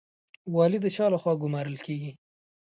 والي د چا لخوا ګمارل کیږي؟